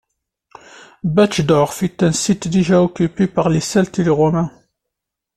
Betschdorf est un site déjà occupée par les Celtes et les Romains.